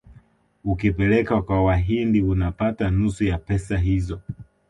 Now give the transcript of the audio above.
Ukipeleka kwa wahindi unapata nusu ya pesa hizo